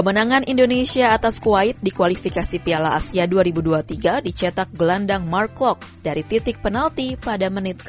kemenangan indonesia atas kuwait di kualifikasi piala asia dua ribu dua puluh tiga dicetak gelandang mark klok dari titik penalti pada menit ke enam